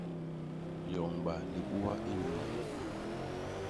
Yoñba libua inyuu manyañ.